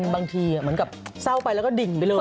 บางทีเหมือนกับเศร้าไปแล้วก็ดิ่งไปเลย